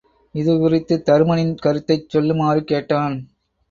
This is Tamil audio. இது குறித்துத் தருமனின் கருத்தைச் சொல்லுமாறு கேட்டான்.